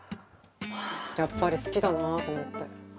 やっぱり好きだなと思って。